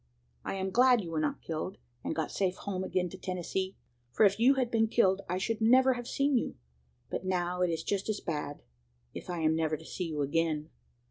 I am glad you were not killed, and got safe home again to Tennessee; for if you had been killed, I should never have seen you; but now it is just as bad, if I am never to see you again.